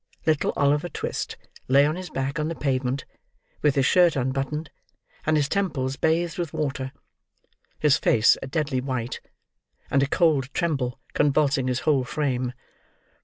Little Oliver Twist lay on his back on the pavement, with his shirt unbuttoned, and his temples bathed with water; his face a deadly white; and a cold tremble convulsing his whole frame.